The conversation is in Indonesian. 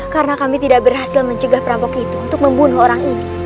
karena kami tidak berhasil mencegah perampok itu untuk membunuh orang ini